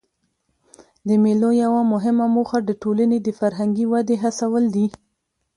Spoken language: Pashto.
د مېلو یوه مهمه موخه د ټولني د فرهنګي ودي هڅول دي.